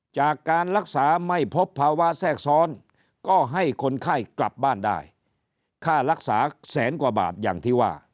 จากการรักษาไม่พบภาวะแทรกซ้อนก็ให้คนไข้กลับบ้านได้